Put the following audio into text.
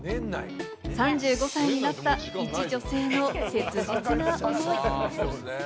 ３５歳になった、いち女性の切実な思い。